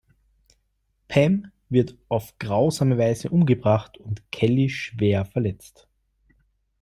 Pam wird auf grausame Weise umgebracht und Kelly schwer verletzt.